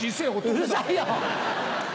うるさいよ！